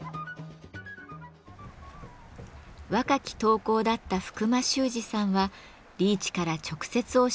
若き陶工だった福間士さんはリーチから直接教えを受けました。